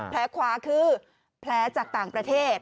แผลขวาคือแผลจากต่างประเทศ